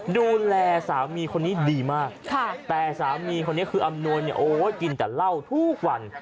ดูแลสามีคนนี้ดีมากแต่สามีคนนี้คืออำนวยเนี่ยโอ้ยกินแต่เหล้าทุกวัน